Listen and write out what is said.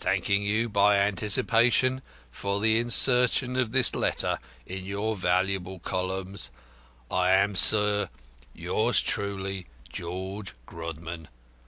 Thanking you by anticipation for the insertion of this letter in your valuable columns, I am, sir, yours truly, "George Grodman.